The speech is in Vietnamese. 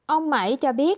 ông mãi cho biết